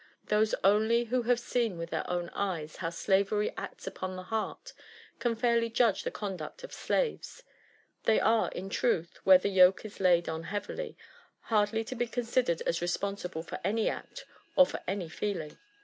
Those only who have seen with their own eyes how slavery acts upon the heart, can fairly judge the conduct of slaves. They are, in truth, where the yoke islaid on heavily/hardly to be considered as responsible for any act, or for any feeling.